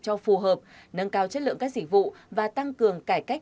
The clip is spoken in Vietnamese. cho phù hợp nâng cao chất lượng các dịch vụ và tăng cường cải cách